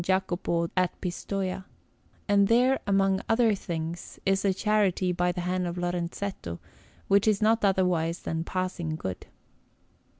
Jacopo at Pistoia; and there, among other things, is a Charity by the hand of Lorenzetto, which is not otherwise than passing good.